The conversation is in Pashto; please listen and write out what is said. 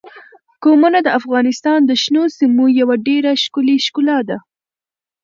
قومونه د افغانستان د شنو سیمو یوه ډېره ښکلې ښکلا ده.